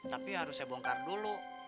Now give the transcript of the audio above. tapi harus saya bongkar dulu